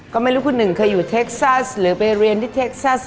ก็ไม่รู้คุณหนึ่งเคยอยู่เท็กซัสหรือไปเรียนที่เท็กซัส